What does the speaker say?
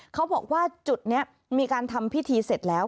เขาบอกว่าจุดนี้มีการทำพิธีเสร็จแล้ว